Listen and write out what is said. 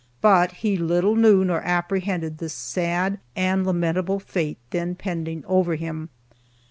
But he little knew nor apprehended the sad and lamentable fate then pending over him.